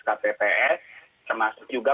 kpps termasuk juga